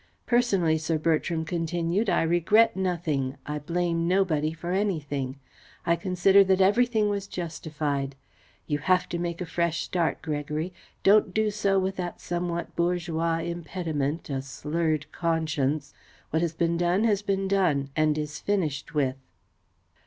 "Personally," Sir Bertram continued, "I regret nothing, I blame nobody for anything. I consider that everything was justified. You have to make a fresh start, Gregory. Don't do so with that somewhat bourgeois impediment a slurred conscience. What has been done has been done, and is finished with."